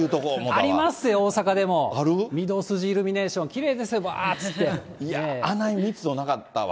ありますよ、大阪でも、御堂筋イルミネーション、きれいですあんな密度なかったわ。